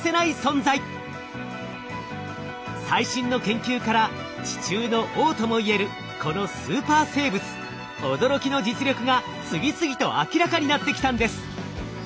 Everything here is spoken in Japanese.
最新の研究から地中の王ともいえるこのスーパー生物驚きの実力が次々と明らかになってきたんです。